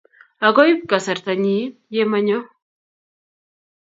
agoi iib kasarta nyin ye manyo